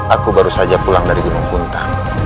aku baru saja pulang dari gunung kuntang